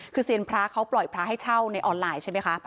คือเซียนพระเขาปล่อยพระให้เช่าในออนไลน์ใช่ไหมคะ